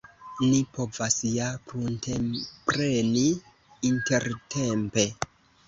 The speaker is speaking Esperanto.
Ni povas ja pruntepreni intertempe.